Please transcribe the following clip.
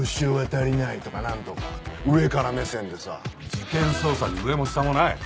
事件捜査に上も下もない。